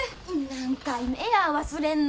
何回目や忘れんの。